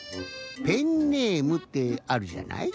ペンネームってあるじゃない？